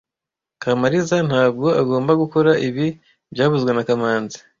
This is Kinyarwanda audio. Kamaliza ntabwo agomba gukora ibi byavuzwe na kamanzi